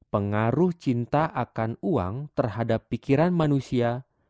pengaruh cinta akan uang terhadap pikiran manusia